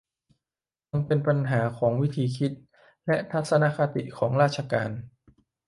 ยังเป็นปัญหาของวิธีคิด และทัศนคติ ของข้าราชการ